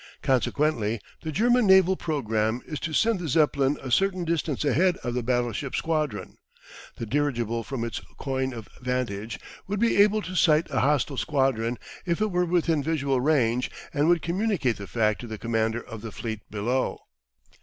Consequently the German naval programme is to send the Zeppelin a certain distance ahead of the battleship squadron. The dirigible from its coign of vantage would be able to sight a hostile squadron if it were within visual range and would communicate the fact to the commander of the fleet below.